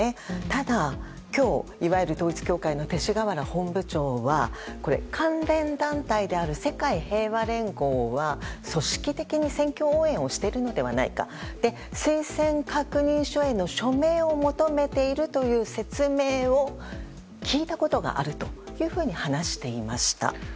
ただ、今日いわゆる統一教会の勅使河原本部長は関連団体である世界平和連合は組織的に選挙応援をしているのではないか推薦確認書への署名を求めているという説明を聞いたことがあると話していました。